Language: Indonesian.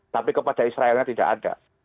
tapi kepada israelnya tidak ada